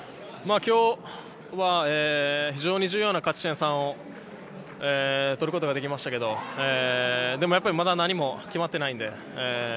今日は非常に重要な勝ち点３を取ることができましたがでも、やっぱりまだ何も決まってないので。